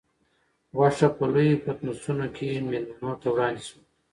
غوښه په لویو پتنوسونو کې مېلمنو ته وړاندې شوه.